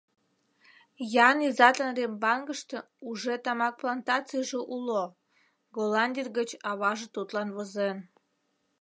Ян изатын Рембангыште уже тамак плантацийже уло”, — Голландий гыч аваже тудлан возен.